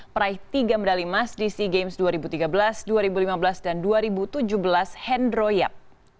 peraih tiga medali emas di sea games dua ribu tiga belas dua ribu lima belas dan dua ribu tujuh belas hendro yap